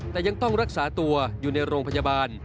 แต่ยังต้องรักษาตัวอยู่ในโรงพยาบาล